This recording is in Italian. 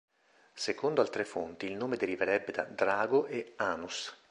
Secondo altre fonti, il nome deriverebbe da "drago" e "-anus".